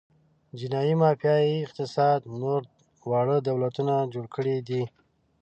جنايي مافیايي اقتصاد نور واړه دولتونه جوړ کړي دي.